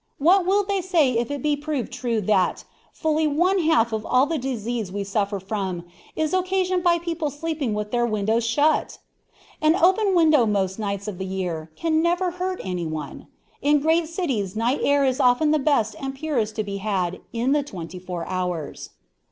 What will they say if it be proved true that fully one half of all the disease we suffer from, is occasioned by people sleeping with their windows shut? An open window most nights of the year can never hurt any one. In great cities night air is often the best and purest to be had in the twenty four hours.